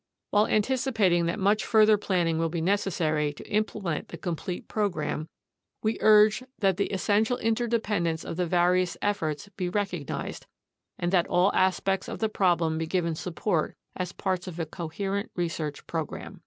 While anticipating that much further planning will be necessary to implement the complete program, we urge that the essential interdependence of the various efforts be recognized and that all aspects of the problem be given support as parts of a coherent research program.